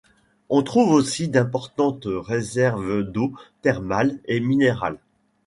On trouve aussi d'importantes réserves d'eau thermale et minérale.